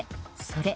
「それ」